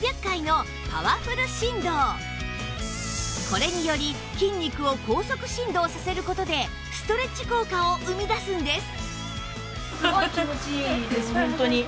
これにより筋肉を高速振動させる事でストレッチ効果を生み出すんです